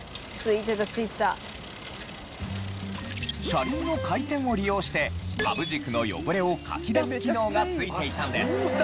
車輪の回転を利用してハブ軸の汚れをかき出す機能がついていたんです。